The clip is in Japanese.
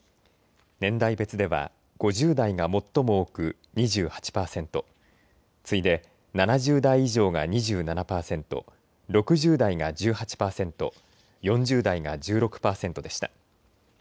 年代別では５０代が最も多く２８％、次いで７０代以上が２７％、６０代が１８％、４０代が１６％でした。